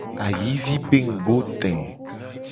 Ayivi be ngugo te.